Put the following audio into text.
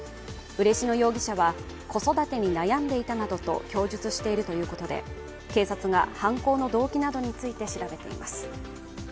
嬉野容疑者は子育てに悩んでいたなどと供述しているということで警察が犯行の動機などについて調べています。